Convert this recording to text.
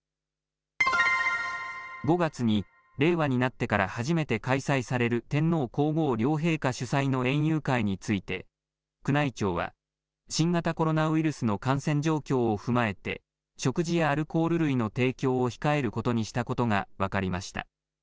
５月に令和になってから初めて開催される天皇皇后両陛下主催の園遊会について宮内庁は新型コロナウイルスの感染状況を踏まえて食事やアルコール類の提供を控えることにしたことが分かりました。